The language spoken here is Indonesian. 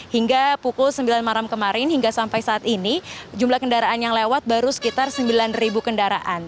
hingga pukul sembilan malam kemarin hingga sampai saat ini jumlah kendaraan yang lewat baru sekitar sembilan kendaraan